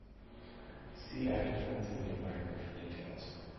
See Actinides in the environment for details.